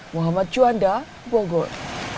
muhammad juanda bogor